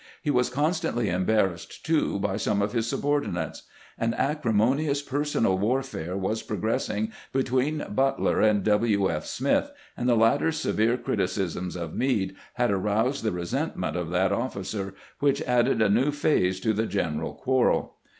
He was con stantly embarrassed, too, by some of his subordinates. An acrimonious personal warfare was progressing be tween Butler and W. F. Smith, and the latter's severe criticisms of Meade had aroused the resentment of that officer, which added a new phase to the general quarrel.